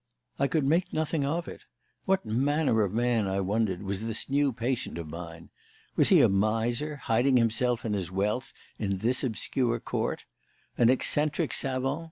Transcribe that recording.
I could make nothing of it. What manner of man, I wondered, was this new patient of mine? Was he a miser, hiding himself and his wealth in this obscure court? An eccentric savant?